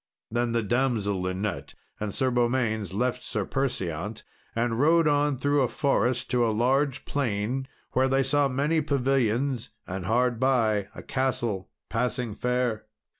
Then the damsel Linet and Sir Beaumains left Sir Perseant, and rode on through a forest to a large plain, where they saw many pavilions, and hard by, a castle passing fair.